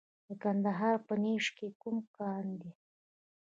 د کندهار په نیش کې کوم کان دی؟